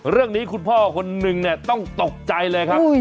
เรื่องนี้คุณพ่อคนหนึ่งต้องตกใจเลยครับ